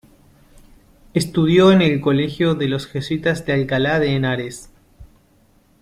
Estudió en el Colegio de los jesuitas de Alcalá de Henares.